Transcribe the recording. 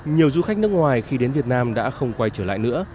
nhiều du khách nước ngoài khi đến việt nam đã không quay trở lại nữa